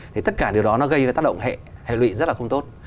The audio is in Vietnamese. thì tất cả điều đó nó gây tác động hệ lụy rất là không tốt